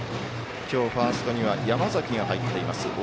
きょうファーストには山崎が入っています。